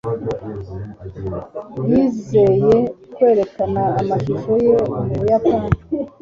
yizeye kwerekana amashusho ye mu buyapani